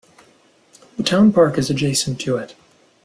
The town park is adjacent to it.